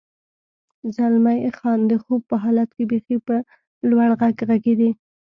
زلمی خان: د خوب په حالت کې بېخي په لوړ غږ غږېدې.